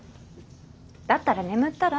だったら眠ったら？